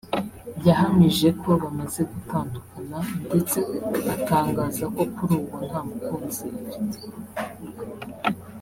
yahamije ko bamaze gutandukana ndetse atangaza ko kuri ubu nta mukunzi afite